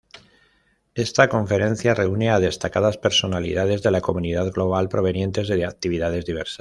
Esta conferencia reúne a destacadas personalidades de la comunidad global, provenientes de actividades diversas.